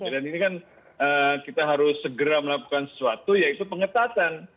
dan ini kan kita harus segera melakukan sesuatu yaitu pengetatan